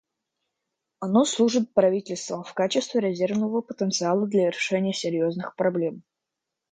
Оно служит правительствам в качестве резервного потенциала для решения серьезных проблем.